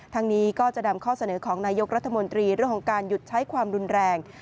นี้ก็จะนำข้อเสนอของนายกรัฐมนตรีเรื่องของการหยุดใช้ความรุนแรง